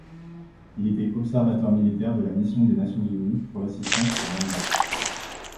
Il était observateur militaire de la Mission des Nations unies pour l'assistance au Rwanda.